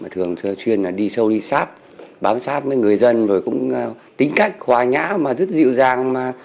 thường chuyên đi sâu đi sáp bám sáp với người dân tính cách hòa nhã rất dịu dàng